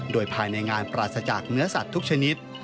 โดยภายในงานปราศจากเนื้อสัตว์ทุกชนิด